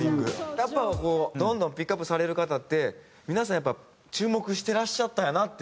やっぱりこうどんどんピックアップされる方って皆さんやっぱ注目してらっしゃったんやなって。